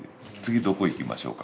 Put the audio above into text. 「次どこ行きましょうか」